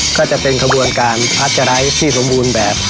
ก็จะเป็นขบวนการพัชไร้ที่สมบูรณ์แบบ